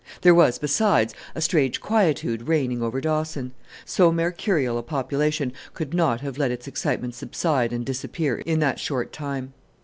There was, besides, a strange quietude reigning over Dawson. So mercurial a population could not have let its excitement subside and disappear in that short time.